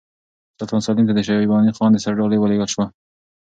سلطان سلیم ته د شیباني خان د سر ډالۍ ولېږل شوه.